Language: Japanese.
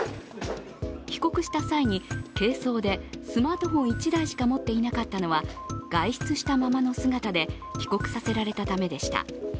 帰国した際に軽装でスマートフォン１台しか持っていなかったのは外出したままの姿で帰国させられたためでした。